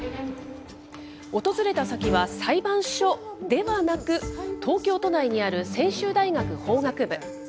訪れた先は、裁判所ではなく、東京都内にある専修大学法学部。